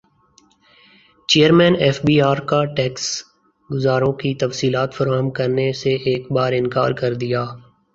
chairman F B R کا tax گزاروں کی تفصیلات فراہم کرنے سے ایک بارانکار کردیا